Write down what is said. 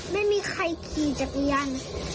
ไม่มีใครขี่จักรยาน